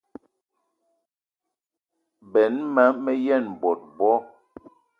Benn ma me yen bot bo.